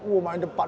wow main depan